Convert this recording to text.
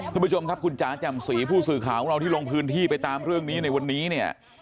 คุณผู้ชมครับคุณจ๋าจำศรีผู้สื่อข่าวของเราที่ลงพื้นที่ไปตามเรื่องนี้ในวันนี้เนี่ย